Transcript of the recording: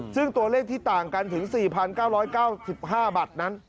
ซึ่งตัวเลขที่ต่างกันถึง๔๙๙๕บัตรนั้น